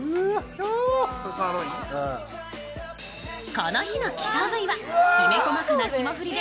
この日の希少部位はきめ細かな霜降りで